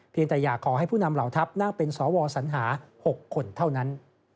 แต่อยากขอให้ผู้นำเหล่าทัพนั่งเป็นสวสัญหา๖คนเท่านั้น